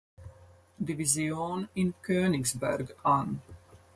Division in Königsberg an.